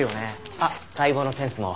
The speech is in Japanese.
あっ解剖のセンスも。